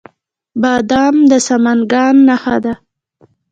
بادام د سمنګان نښه ده.